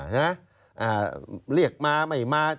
เหรอเรียกมาไม่มา